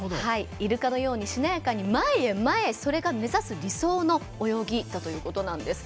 イルカのようにしなやかに前へ前へ、それが目指す理想の泳ぎだということなんです。